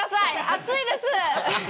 暑いです。